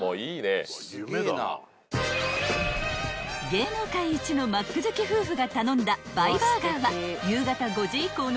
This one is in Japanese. ［芸能界一のマック好き夫婦が頼んだ倍バーガーは］